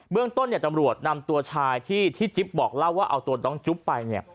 เรื่องต้นตำรวจนำตัวชายที่จิ๊บบอกเล่าว่าเอาตัวน้องจุ๊บไป